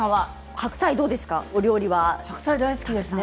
白菜、大好きですね。